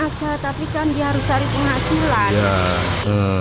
aja tapi kan dia harus cari penghasilan